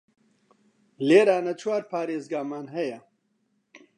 لێرانە چوار پاریزگامان هەیە